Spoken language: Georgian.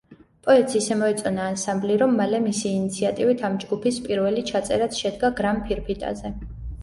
პოეტს ისე მოეწონა ანსამბლი, რომ მალე მისი ინიციატივით ამ ჯგუფის პირველი ჩაწერაც შედგა გრამფირფიტაზე.